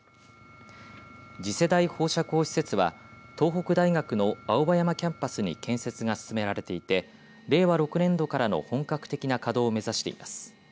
次世代放射光施設は東北大学の青葉山キャンパスに建設が進められていて令和６年度からの本格的な稼働を目指しています。